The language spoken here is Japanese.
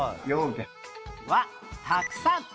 は「たくさん」